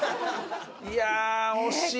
いや惜しい。